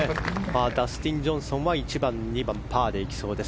ダスティン・ジョンソンは１番、２番パーでいきそうです。